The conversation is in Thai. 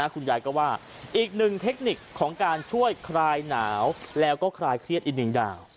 คุณยายก็ว่าอีกหนึ่งเทคนิคของการช่วยคลายหนาวแล้วก็คลายเครียดอีกหนึ่งดาว